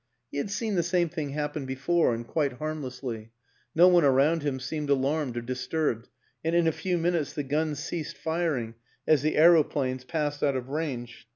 He had seen the same thing happen before and quite harmlessly; no one around him seemed alarmed or disturbed, and in a few minutes the guns ceased firing as the aeroplanes passed out of range.